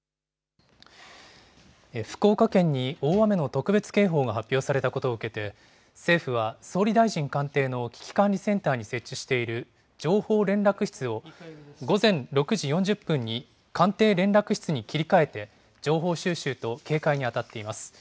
福岡県に大雨の特別警報が発表されたことを受けて、政府は総理大臣官邸の危機管理センターに設置している情報連絡室を午前６時４０分に官邸連絡室に切り替えて情報収集と警戒に当たっています。